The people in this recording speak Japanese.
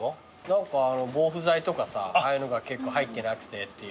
何か防腐剤とかさああいうのが入ってなくてっていう。